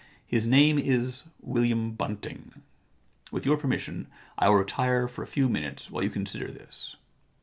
His name is William Bunting. With your permission I will retire for a few minutes while you consider this.'